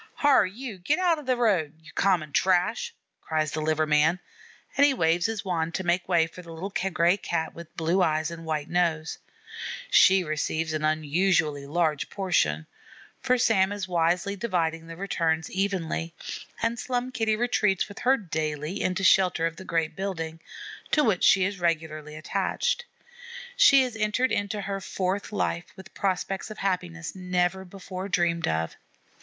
"Hyar, you, get out o' the road, you common trash," cries the liver man, and he waves his wand to make way for the little gray Cat with blue eyes and white nose. She receives an unusually large portion, for Sam is wisely dividing the returns evenly; and Slum Kitty retreats with her 'daily' into shelter of the great building, to which she is regularly attached. She has entered into her fourth life with prospects of happiness never before dreamed of.